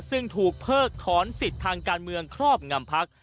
ซึ่งถูกเพิกถอนสิทธิ์ทางการเมืองครอบงำพัก